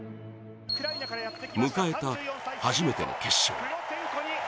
迎えた初めての決勝。